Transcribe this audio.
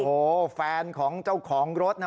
โอ้โหแฟนของเจ้าของรถนะ